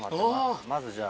まずじゃあ。